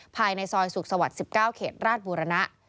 ภายในซอยสุขสวรรค์๑๙เขตราชบุรณะ